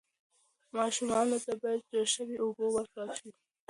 ماشومانو ته باید جوش شوې اوبه ورکړل شي.